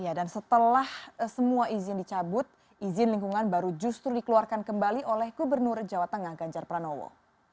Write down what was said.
ya dan setelah semua izin dicabut izin lingkungan baru justru dikeluarkan kembali oleh gubernur jawa tengah ganjar pranowo